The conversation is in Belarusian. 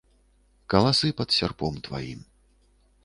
Каласы пад сярпом тваім.